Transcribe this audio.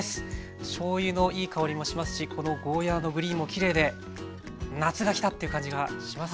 しょうゆのいい香りもしますしこのゴーヤーのグリーンもきれいで夏が来た！っていう感じがしますね。